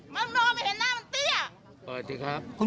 มันมองไปเห็นหน้ามันเตี้ย